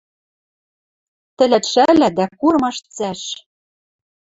Тӹлӓт шӓлӓ дӓ курымаш цӓш!